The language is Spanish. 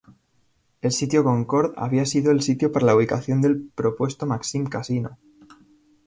El sitio Concord había sido el sitio para la ubicación del propuesto Maxim Casino.